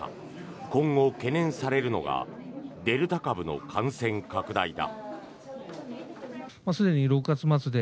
今後、懸念されるのがデルタ株の感染拡大だ。